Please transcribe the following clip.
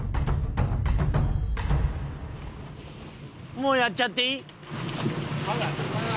もうやっちゃっていい？